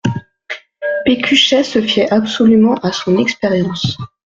Pécuchet se fiait absolument à son expérience.